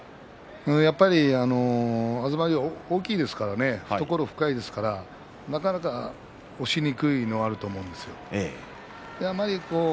やっぱり東龍は大きいですから、懐深いですからなかなか押しにくいのはあると思うんです。